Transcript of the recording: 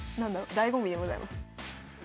だいご味でございます。